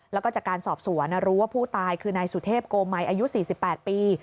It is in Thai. แล้วก็จากการสอบสวนรู้ว่าผู้ตายคือนายสุเทพโกมัยอายุ๔๘ปี